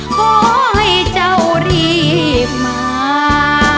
ขอให้เจ้ารีบมา